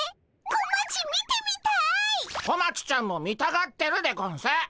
小町ちゃんも見たがってるでゴンス。